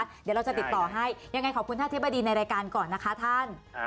เดี๋ยวเราจะติดต่อให้ยังไงขอบคุณท่านอธิบดีในรายการก่อนนะคะท่าน